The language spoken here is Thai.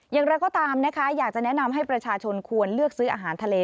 อย่างไรก็ตามนะคะอยากจะแนะนำให้ประชาชนควรเลือกซื้ออาหารทะเล